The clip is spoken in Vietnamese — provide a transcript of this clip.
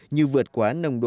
như vượt quá nông đồ